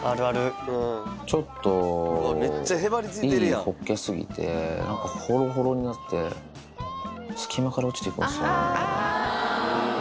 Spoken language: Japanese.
ちょっといいホッケすぎて、なんかほろほろになって、隙間から落ちてくんですよね。